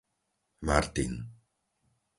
Martin